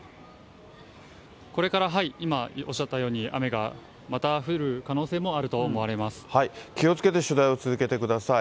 これから今、おっしゃったように、雨がまた降る可能性もある気をつけて取材を続けてください。